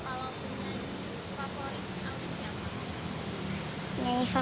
kalau penyanyi favorit penyanyi siapa